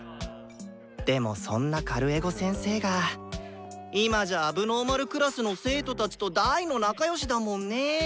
でもそんなカルエゴ先生が今じゃ問題児クラスの生徒たちと大の仲良しだもんねぇー。